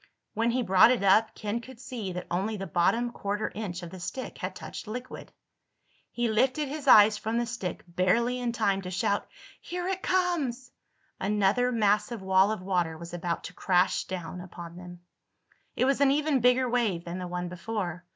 When he brought it up Ken could see that only the bottom quarter inch of the stick had touched liquid. He lifted his eyes from the stick barely in time to shout "Here it comes!" Another massive wall of water was about to crash down upon them. It was an even bigger wave than the one before.